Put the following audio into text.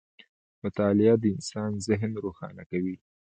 • مطالعه د انسان ذهن روښانه کوي.